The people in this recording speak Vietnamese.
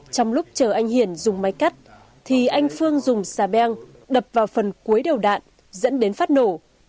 trong lúc chờ anh hiển dùng máy cắt thì anh phương dùng xà beng đập vào phần cuối đầu đạn dẫn đến phát nổ